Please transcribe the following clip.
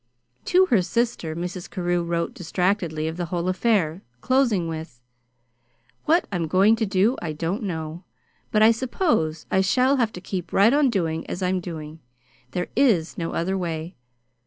To her sister, Mrs. Carew wrote distractedly of the whole affair, closing with: "What I'm going to do I don't know; but I suppose I shall have to keep right on doing as I am doing. There is no other way.